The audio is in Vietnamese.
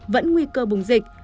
vẫn nguy cơ bùng dịch